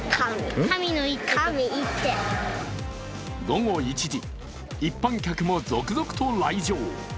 午後１時、一般客も続々と来場。